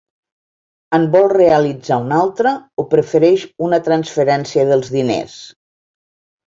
En vol realitzar una altra o prefereix una transferència dels diners?